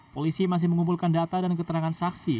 polisi masih mengumpulkan data dan keterangan saksi